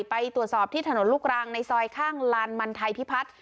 ไปตรวจสอบที่ถนนลูกรางในซอยข้างลานมันไทยพิพัฒน์